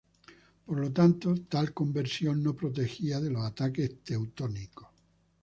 Por lo tanto, tal conversión no protegería de los ataques teutónicos.